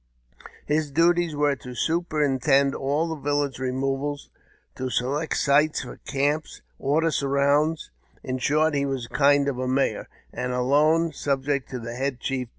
His duties were to superintend all the village removals, to select sites for camps, order surrounds ; in short, he was a kind of mayor, and alone subject to the head chief.